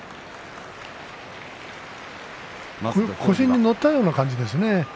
腰に乗ったような感じですね。